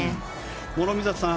諸見里さん